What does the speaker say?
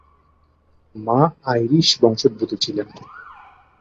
মা আইরিশ বংশোদ্ভূত ছিলেন।